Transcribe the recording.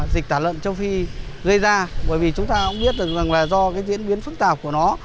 dịch tả lợn châu phi gây ra bởi vì chúng ta cũng biết được rằng là do cái diễn biến phức tạp của nó